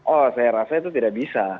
oh saya rasa itu tidak bisa